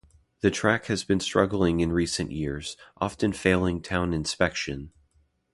The track has been struggling in recent years, often failing town inspection.